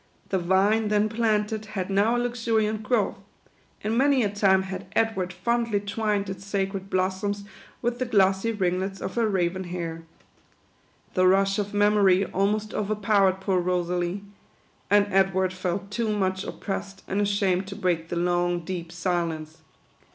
The vine then planted had now a luxuriant growth ; and many a time had Edward fondly twined its sacred blossoms with the glossy ringlets of her raven hair. The rush of mem ory almost overpowered poor Rosalie ; and Edward felt too much oppressed and ashamed to break the long, deep silence.